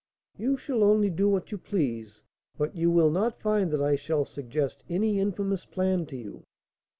"You shall only do what you please; but you will not find that I shall suggest any infamous plan to you.